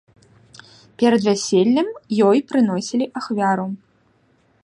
Перад вяселлем ёй прыносілі ахвяру.